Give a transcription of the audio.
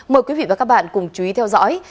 mời quý vị và các bạn cùng chú ý theo dõi